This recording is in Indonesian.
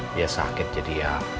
dia sakit jadi ya